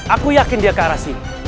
aku yakin dia ke arah sini